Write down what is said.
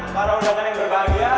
para undang undang yang berbahagia